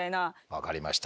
分かりました。